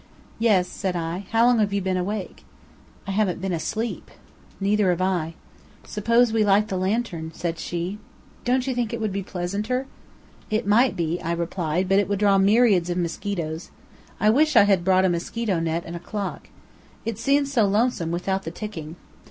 "Yes," said I. "How long have you been awake?" "I haven't been asleep." "Neither have I." "Suppose we light the lantern," said she. "Don't you think it would be pleasanter?" "It might be," I replied; "but it would draw myriads of mosquitoes. I wish I had brought a mosquito net and a clock. It seems so lonesome without the ticking.